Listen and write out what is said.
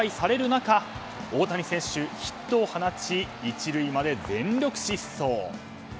中大谷選手、ヒットを放ち１塁まで全力疾走。